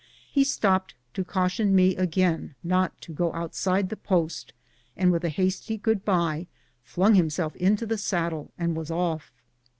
He stopped to caution me again not to go outside the post, and with a hasty good bye flung himself into the saddle and was off.